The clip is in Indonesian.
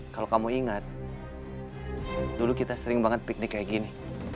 kalau kamu ingat dulu kita sering banget piknik kayak gini